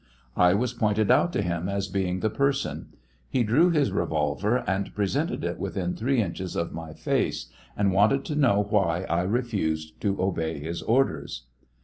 I was pointed out to him as being the person; he drew his revolver and presented it within three inches of my face, and wanted to know why I refused to obey his orders.